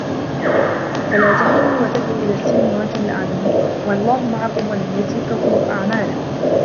فَلا تَهِنوا وَتَدعوا إِلَى السَّلمِ وَأَنتُمُ الأَعلَونَ وَاللَّهُ مَعَكُم وَلَن يَتِرَكُم أَعمالَكُم